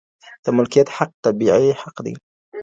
د ملکيت حق طبيعي حق دی.